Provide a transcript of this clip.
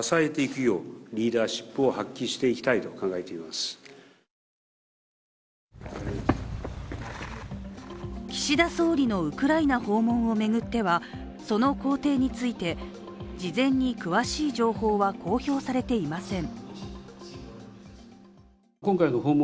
会談後の共同記者会見では岸田総理のウクライナ訪問を巡っては、その行程について事前に詳しい情報は公表されていません。